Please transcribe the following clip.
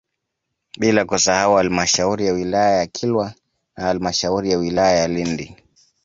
Bila kusahau Halmashauri ya wilaya ya Kilwa na halmashauri ya wilaya ya Lindi